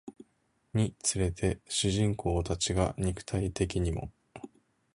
につれて主人公たちが肉体的にも